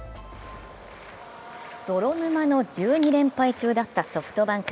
泥沼の１２連敗中だったソフトバンク。